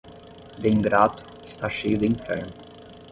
De ingrato, está cheio de inferno.